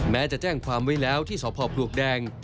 แม้จะแจ้งความไว้แล้วที่สพปลวกแดง